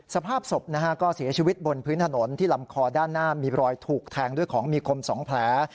สภาพศพนะฮะก็เสียชีวิตบนพื้นถนนที่ลำคอด้านหน้ามีรอยถูกแทงด้วยของมีคม๒แผล